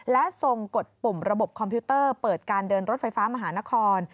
และทรงกดปุ่มระบบคอมพิวเตอร์เปิดการเดินรถไฟฟ้ามหานคร